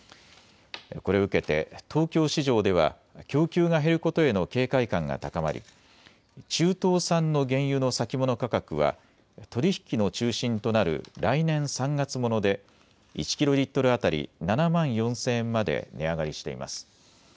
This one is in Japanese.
これを受けて東京市場では供給が減ることへの警戒感が高まり中東産の原油の先物価格は取り引きの中心となる来年３月もので１キロリットル当たり７万４０００円まで値上がりしています。